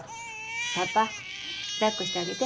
パパ抱っこしてあげて。